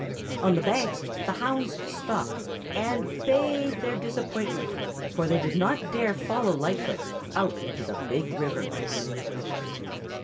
On the banks the hounds stopped and bayed their disappointment, for they did not dare follow Lightfoot out into the Big River.